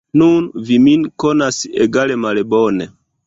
Nun, vi min konas egale malbone.